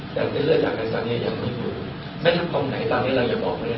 แต่เส้นเลือดจากกันตอนนี้ยังไม่รู้ไม่ทักตรงไหนตอนนี้เราจะบอกมันเนี่ย